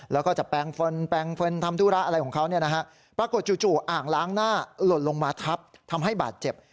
แล้วก็จะแปลงเฟิร์นทำธุระอะไรของเขาเนี่ยนะฮะปรากฏจู่อ่างล้างหน้าหล่นลงมาทับทำให้บาดเจ็บ